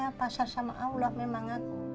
iya pasrah sama allah memang